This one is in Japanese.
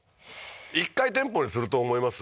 １階店舗にすると思います？